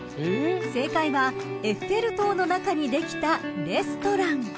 ［正解はエッフェル塔の中にできたレストラン］